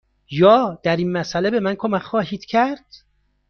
یا در این مسأله به من کمک خواهید کرد؟